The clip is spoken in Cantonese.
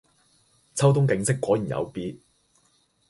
秋冬景色果然有別